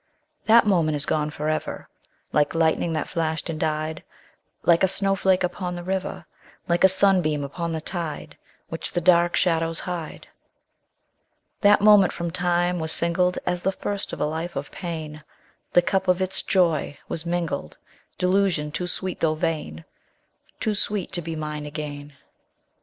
_5 2. That moment is gone for ever, Like lightning that flashed and died Like a snowflake upon the river Like a sunbeam upon the tide, Which the dark shadows hide. _10 3. That moment from time was singled As the first of a life of pain; The cup of its joy was mingled Delusion too sweet though vain! Too sweet to be mine again.